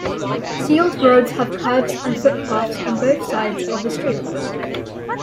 Sealed roads have kerbs and footpaths on both sides of the street.